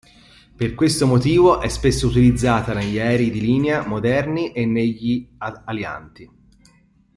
Per questo motivo è spesso utilizzata negli aerei di linea moderni e negli alianti.